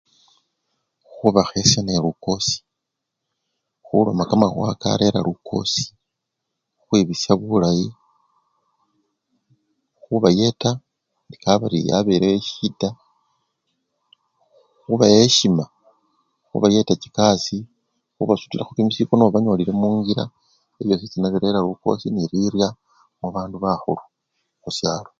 Khubakhesya nelukosi, khuloma kamakhuwa karera lukosi, khukhwibirisya bulayi, khubayeta kabari yabelew osyida, khubawa syima, khubayetakho chikasii, khubasutilakho kimisiko nobanyolile khunchila ebyo byosichana birera lukosi nelirya mubandu bakhulu khusyalo.